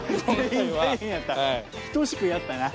等しくやったやな。